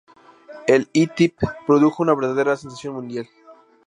El E-Type produjo una verdadera sensación mundial.